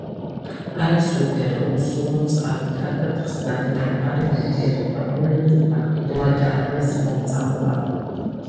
არის უფერო, უსუნო, წყალში კარგად ხსნადი და მყარი ნივთიერება, რომელიც პრაქტიკულად არ არის მომწამლავი.